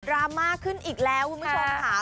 ราม่าขึ้นอีกแล้วคุณผู้ชมค่ะ